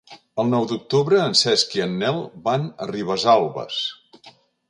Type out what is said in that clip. El nou d'octubre en Cesc i en Nel van a Ribesalbes.